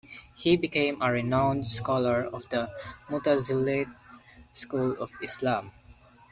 He became a renowned scholar of the Mutazilite school of Islam.